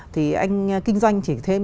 thì anh kinh doanh chỉ thêm